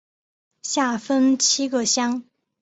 下分七个乡。